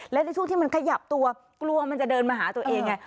และในช่วงที่มันขยับตัวกลัวกลัวมันจะเดินมาหาตัวเองไง